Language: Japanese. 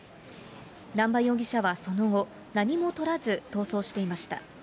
南場容疑者はその後、何もとらず逃走していました。